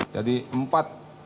jadi empat target kelompok ini